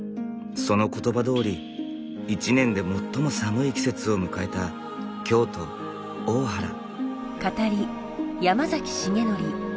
その言葉どおり一年で最も寒い季節を迎えた京都・大原。